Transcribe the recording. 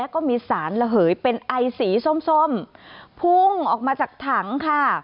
ก็มีสารระเหยเป็นไอสีส้มพุ่งออกมาจากถังค่ะ